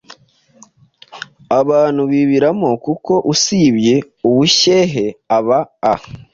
abantu bibiramo kuko usibye ubushyehe aba a